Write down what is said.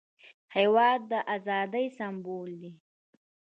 هېواد د ازادۍ سمبول دی.